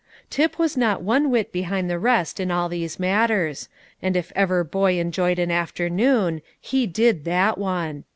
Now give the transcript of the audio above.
Tip was not one whit behind the rest in all these matters, and if ever boy enjoyed an afternoon, he did that one.